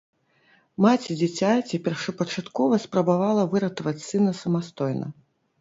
Маці дзіцяці першапачаткова спрабавала выратаваць сына самастойна.